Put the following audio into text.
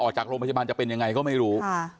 ออกจากโรงพยาบาลจะเป็นยังไงก็ไม่รู้